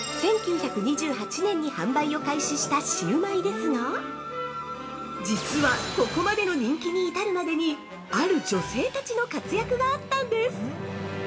◆１９２８年に発売を開始したシウマイですが実はここまでの人気に至るまでに、ある女性たちの活躍があったんです！